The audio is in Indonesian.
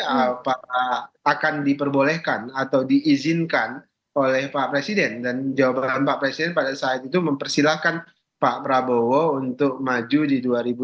apakah akan diperbolehkan atau diizinkan oleh pak presiden dan jawaban pak presiden pada saat itu mempersilahkan pak prabowo untuk maju di dua ribu dua puluh